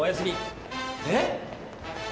えっ？